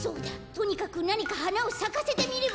とにかくなにかはなをさかせてみれば！